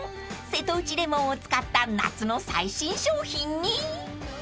［瀬戸内レモンを使った夏の最新商品に］